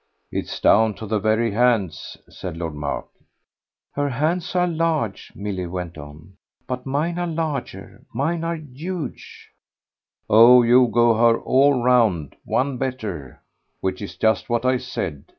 "It's down to the very hands," said Lord Mark. "Her hands are large," Milly went on, "but mine are larger. Mine are huge." "Oh you go her, all round, 'one better' which is just what I said.